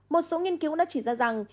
một số nghiên cứu cũng đã chỉ ra rằng